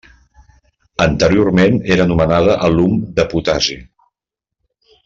Anteriorment era anomenada alum de potassi.